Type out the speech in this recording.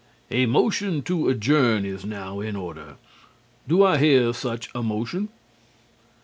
A motion to adjourn is now in order. Do I hear such a motion?"